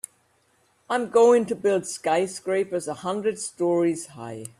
I'm going to build skyscrapers a hundred stories high.